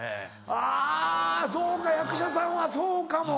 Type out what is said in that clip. あそうか役者さんはそうかも。